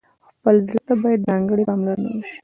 خپل زړه ته باید ځانګړې پاملرنه وشي.